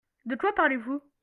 De quoi parlez-vous ?